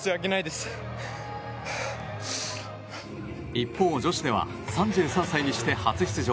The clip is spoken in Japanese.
一方、女子では３３歳にして初出場